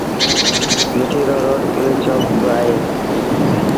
مٺيٚ روڊ تي پوُليٚس چوڪيٚ با اهي۔